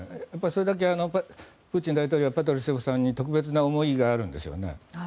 それだけプーチン大統領はパトルシェフさんに特別な思いがあるんでしょうね。